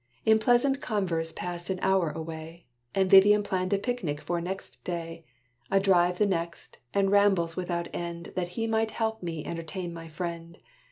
In pleasant converse passed an hour away: And Vivian planned a picnic for next day A drive the next, and rambles without end, That he might help me entertain my friend.